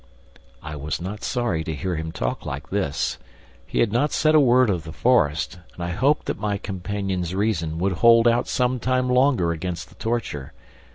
I was not sorry to hear him talk like this. He had not said a word of the forest and I hoped that my companion's reason would hold out some time longer against the torture.